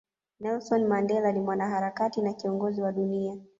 Nelson Mandela ni Mwanaharakati na Kiongozi wa dunia